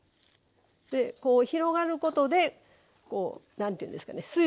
で広がることでこう何ていうんですかね